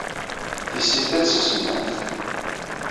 Tissit-a d tasemmamt.